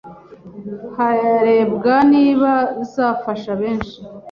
harebwa niba zafasha benshi